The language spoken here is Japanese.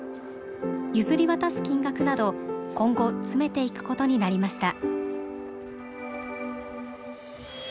譲り渡す金額など今後詰めていくことになりました。